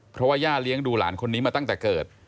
เพราะว่าย่าเลี้ยงดูหลานคนนี้มาตั้งแต่เกิด